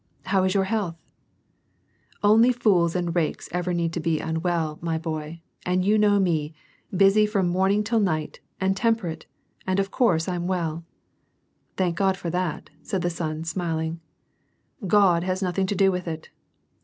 '*' How is your health ?"" Only fools and rakes ever need to be unwell, my boy, aud you know me : busy from morning till night, and tempenite, and of course I'm well." " Thank God for that," said the son, smiling. " God has nothing to do with it.